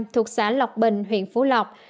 thuộc xã lọc bình huyện phú lọc